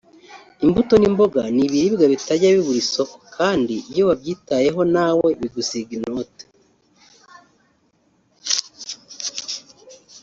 “ Imbuto n’imboga ni ibiribwa bitajya bibura isoko kandi iyo wabyitayeho nawe bigusiga inote”